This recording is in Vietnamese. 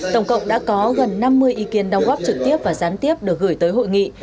tổng cộng đã có gần năm mươi ý kiến đóng góp trực tiếp và gián tiếp được gửi tới hội nghị